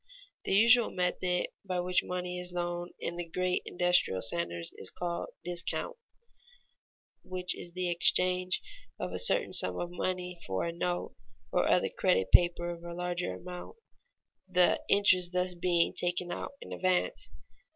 The usual method by which money is loaned in the great industrial centers is called discount, which is the exchange of a certain sum of money for a note or other credit paper of a larger amount, the interest thus being taken out in advance.